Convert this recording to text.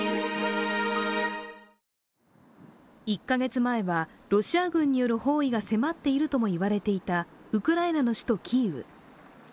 １カ月前はロシア軍による包囲が迫っているとも言われた、ウクライナの首都キーウ。